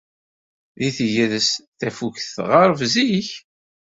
Deg tegrest, tafukt tɣerreb zik.